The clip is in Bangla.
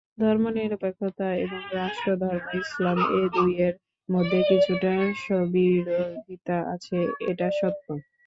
ধর্মনিরপেক্ষতা এবং রাষ্ট্রধর্ম ইসলাম—এ দুইয়ের মধ্যে কিছুটা স্ববিরোধিতা আছে, এটা সত্য।